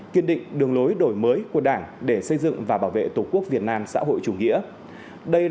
kiên định đường lối đổi mới của đảng để xây dựng và bảo vệ tổ quốc việt nam xã hội chủ nghĩa đây là